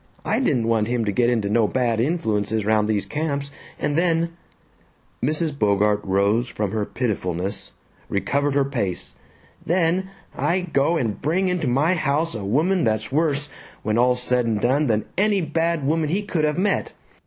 I didn't want him to get into no bad influences round these camps and then," Mrs. Bogart rose from her pitifulness, recovered her pace, "then I go and bring into my own house a woman that's worse, when all's said and done, than any bad woman he could have met.